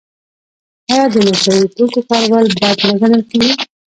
آیا د نشه یي توکو کارول بد نه ګڼل کیږي؟